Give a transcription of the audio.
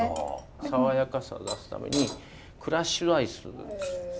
爽やかさを出すためにクラッシュアイス。